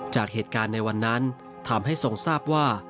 จากเหตุการณ์ในวันนั้นทำให้ทรงทราบว่า